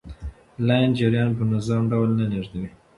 لین جریان په منظم ډول نه لیږدوي.